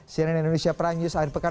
sini indonesia perang news akhir pekan